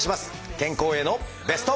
健康へのベスト。